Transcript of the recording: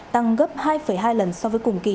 tăng gấp hai hai lần so với cùng kỳ